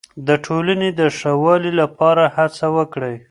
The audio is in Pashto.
د ټولنې د ښه والي لپاره هڅه وکړئ.